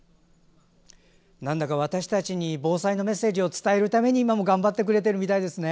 なんだか私たちに防災のメッセージを伝えるために今も頑張ってくれてるみたいですね。